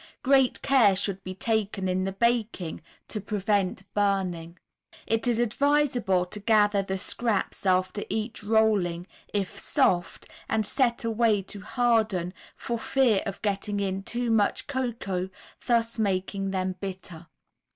Great care should be taken in the baking to prevent burning. It is advisable to gather the scraps after each rolling, if soft, and set away to harden, for fear of getting in too much cocoa, thus making them bitter.